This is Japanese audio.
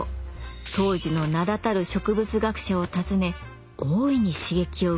当時の名だたる植物学者を訪ね大いに刺激を受けます。